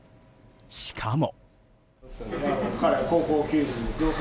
しかも。